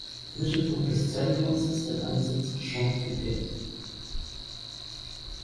Mittelpunkt des Zentrums ist der Landsitz Champ-Pittet.